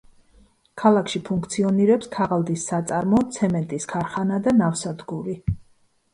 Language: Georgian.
ქალაქში ფუნქციონირებს ქაღალდის საწარმო, ცემენტის ქარხანა და ნავსადგური.